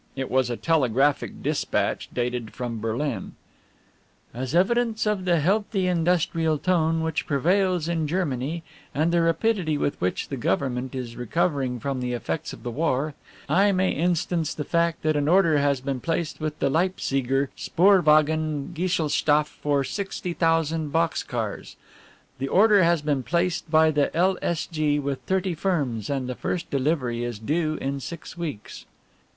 It was a telegraphic dispatch dated from Berlin: "As evidence of the healthy industrial tone which prevails in Germany and the rapidity with which the Government is recovering from the effects of the war, I may instance the fact that an order has been placed with the Leipzieger Spoorwagen Gesselshaft for 60,000 box cars. The order has been placed by the L.S.G. with thirty firms, and the first delivery is due in six weeks."